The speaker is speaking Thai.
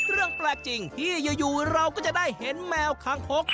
เรื่องแปลกจริงที่อยู่เราก็จะได้เห็นแมวคางคก